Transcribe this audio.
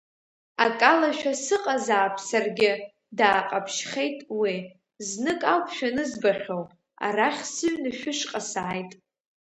Акалашәа сыҟазаап саргьы, дааҟаԥшьхеит уи, знык ауп шәанызбахьоу, арахь сыҩны шәышҟа сааит.